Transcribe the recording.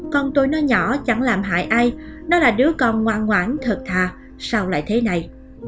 con tôi nó nhỏ chẳng làm hại ai đó là đứa con ngoan ngoãn thật thà sau lại thế này